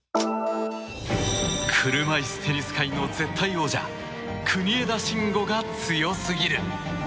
車いすテニス界の絶対王者国枝慎吾が強すぎる。